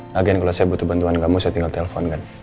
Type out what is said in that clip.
nagen kalau saya butuh bantuan kamu saya tinggal telepon kan